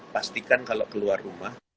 pastikan kalau keluar rumah